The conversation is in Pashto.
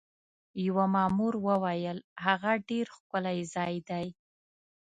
یوه مامور وویل: هغه ډېر ښکلی ځای دی.